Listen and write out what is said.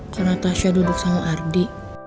karena tasya duduk sama ardi